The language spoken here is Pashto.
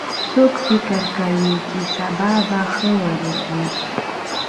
څوک فکر کوي چې سبا به ښه ورځ وي